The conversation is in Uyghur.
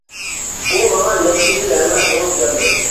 ئۇ ماڭا نەچچە يىل ھەمراھ بولۇپ كەلدى.